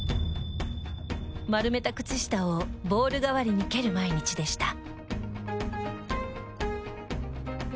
丸めた靴下をボール代わりに蹴る毎日でした。